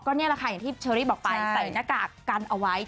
นี่แหละค่ะอย่างที่เชอรี่บอกไปใส่หน้ากากกันเอาไว้